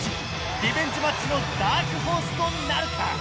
リベンジマッチのダークホースとなるか！？